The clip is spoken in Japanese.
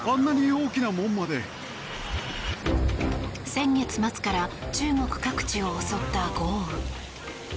先月末から中国各地を襲った豪雨。